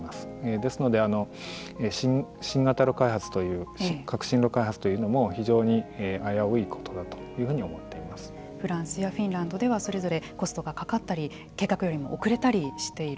ですので、新型炉開発という革新炉開発というのも非常に危ういことだフランスやフィンランドではそれぞれコストがかかったり計画よりも遅れたりしている。